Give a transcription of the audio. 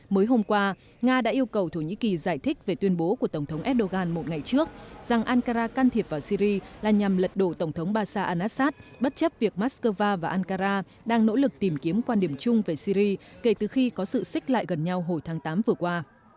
mới hôm qua nga đã yêu cầu thổ nhĩ kỳ giải thích về tuyên bố của tổng thống erdogan một ngày trước rằng ankara can thiệp vào syri là nhằm lật đổ tổng thống bashar alnassad bất chấp việc moscow và ankara đang nỗ lực tìm kiếm quan điểm chung về syri kể từ khi có sự xích lại gần nhau hồi tháng tám vừa qua